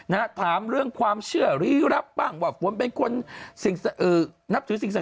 นะถามเรื่องความเชื่อหรือหรือลับว่าจะเป็นคน